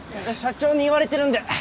社長に言われてるんで。